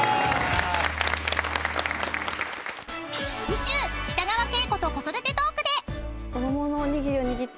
［次週北川景子と子育てトークで］